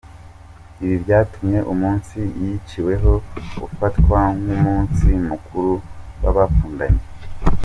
Ibi byatumye umunsi yiciweho ufatwa nk’umunsi mukuru w’abakundanye.